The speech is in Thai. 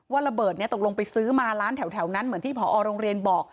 ระเบิดนี้ตกลงไปซื้อมาร้านแถวนั้นเหมือนที่ผอโรงเรียนบอก